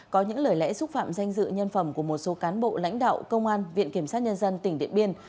có những lời lẽ xúc phạm danh dự nhân phẩm của một số cán bộ lãnh đạo công an viện kiểm sát nhân dân tỉnh điện biên